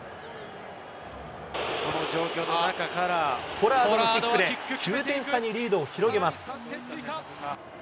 ポラードのキックで９点差にリードを広げます。